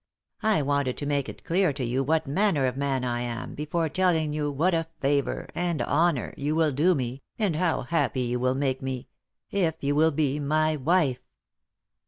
I wanted to make it clear to you what manner of man I am before telling you what a favour, and honour, you will do me, and how happy you will make me, if you will be my wife."